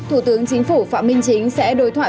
thủ tướng chính phủ phạm minh chính sẽ đối thoại